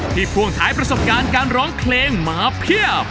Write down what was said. พ่วงท้ายประสบการณ์การร้องเพลงมาเพียบ